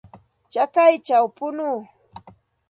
Chakayćhaw punuu.